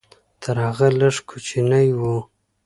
تر هغه لږ کوچنی و.